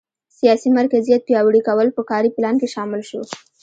سیاسي مرکزیت پیاوړي کول په کاري پلان کې شامل شو.